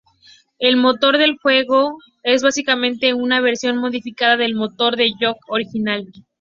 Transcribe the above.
El motor del juego es básicamente una versión modificada del motor del Gothic original.